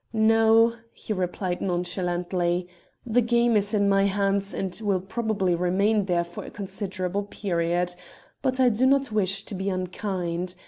"'No,' he replied nonchalantly. 'The game is in my hands, and will probably remain there for a considerable period. But I do not wish to be unkind.